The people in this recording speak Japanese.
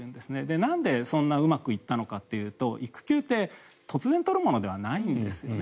なんでそんなうまくいったのかというと育休って突然取るものではないんですよね。